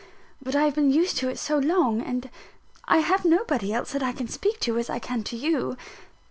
But I have been used to it so long; and I have nobody else that I can speak to as I can to you.